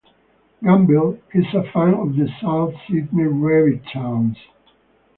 Gamblin is a fan of the South Sydney Rabbitohs.